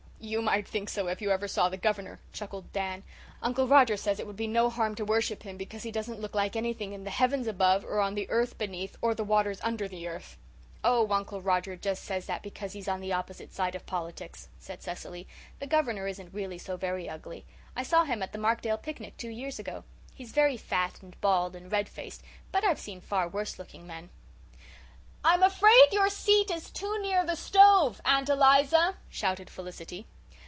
"You might think so if you saw the Governor," chuckled Dan. "Uncle Roger says it would be no harm to worship him because he doesn't look like anything in the heavens above or on the earth beneath or the waters under the earth." "Oh, Uncle Roger just says that because he's on the opposite side of politics," said Cecily. "The Governor isn't really so very ugly. I saw him at the Markdale picnic two years ago. He's very fat and bald and red faced, but I've seen far worse looking men." "I'm afraid your seat is too near the stove, Aunt Eliza," shouted Felicity.